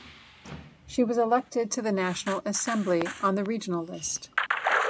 She was elected to the National Assembly on the regional list.